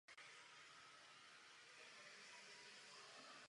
Po válce nastala opět výměna generací.